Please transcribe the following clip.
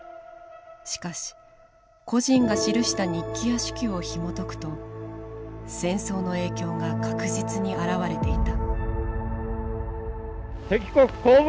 しかし個人が記した日記や手記をひもとくと戦争の影響が確実に表れていた。